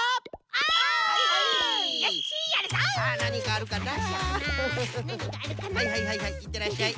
はいはいはいはいいってらっしゃい。